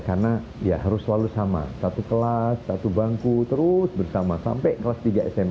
karena ya harus selalu sama satu kelas satu bangku terus bersama sampai kelas tiga sma